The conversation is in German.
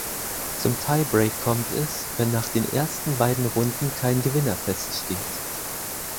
Zum Tie-Break kommt es, wenn nach den ersten beiden Runden kein Gewinner feststeht.